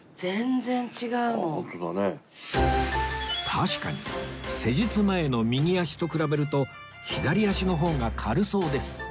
確かに施術前の右足と比べると左足の方が軽そうです